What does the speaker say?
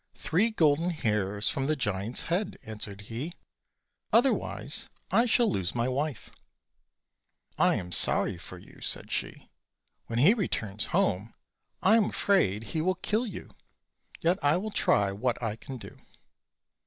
"Three golden hairs from the giant's head, "answered he; "otherwise I shall lose my wife." "I am sorry for you," said she; "when he returns home I am afraid he will kill you; yet I will try what lean do."